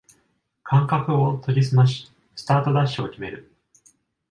感覚を研ぎすましスタートダッシュを決める